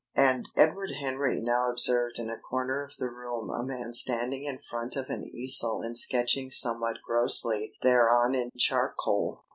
And Edward Henry now observed in a corner of the room a man standing in front of an easel and sketching somewhat grossly thereon in charcoal.